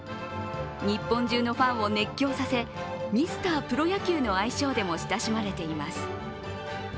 日本中のファンを熱狂させミスタープロ野球での愛称でも親しまれています。